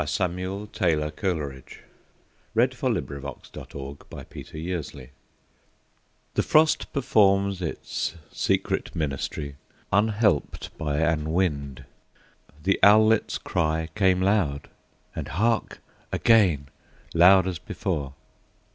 Samuel Taylor Coleridge Frost at Midnight THE Frost performs its secret ministry, Unhelped by an wind. The owlet's cry Came loud and hark, again! loud as before.